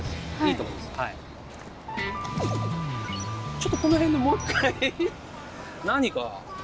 ちょっとこの辺でもう一回何か。